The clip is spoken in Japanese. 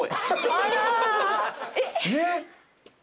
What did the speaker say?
えっ？